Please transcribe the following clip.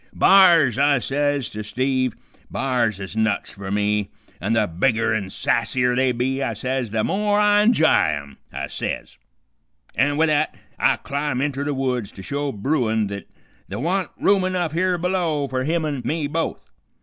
"'B'ars,' I says to Steve, 'b'ars is nuts fer me, an' the bigger an' sassier they be,' I says, 'the more I inj'y 'em,' I says, an' with that I clim' inter the woods to show bruin th't th' wa'n't room enough here below fer me an' him both.